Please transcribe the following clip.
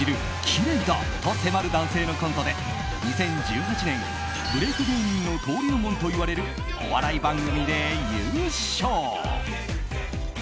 きれいだと迫る男性のコントで２０１８年、ブレーク芸人の登竜門と言われるお笑い番組で優勝。